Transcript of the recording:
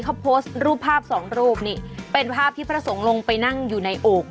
เขาโพสต์รูปภาพสองรูปนี่เป็นภาพที่พระสงฆ์ลงไปนั่งอยู่ในโอก